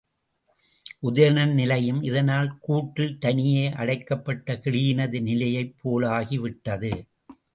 உதயணன் நிலையும் இதனால் கூட்டில் தனியே அடைக்கப்பட்ட கிளியினது நிலையைப் போலாகிவிட்டது.